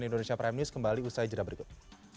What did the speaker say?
cnn indonesia prime news kembali usai jerabat